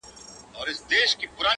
خپل تعلیم یې کئ پوره په ښه مېړانه،